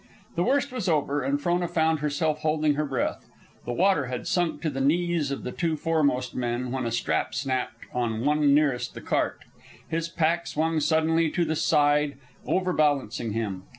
The worst was over, and Frona found herself holding her breath. The water had sunk to the knees of the two foremost men, when a strap snapped on one nearest the cart. His pack swung suddenly to the side, overbalancing him.